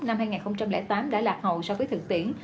năm hai nghìn tám đã lạc hậu so với thực tiễn